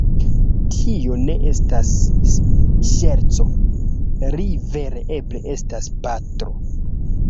Tio ne estas ŝerco, li vere eble estas patro